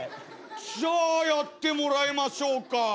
じゃあやってもらいましょうか。